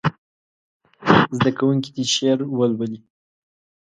زده کوونکي دې شعر ولولي.